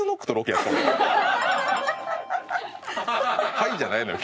「はい！」じゃないのよ！